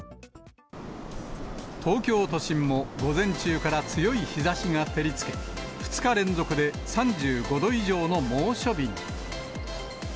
東京都心も、午前中から強い日ざしが照りつけ、２日連続で３５度以上の猛暑日に。